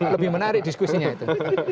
lebih menarik diskusinya itu